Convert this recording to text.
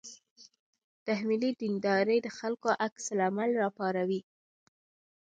تحمیلي دینداري د خلکو عکس العمل راپاروي.